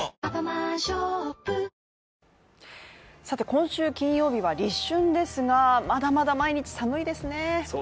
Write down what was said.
さて今週金曜日は立春ですがまだまだ毎日寒いですね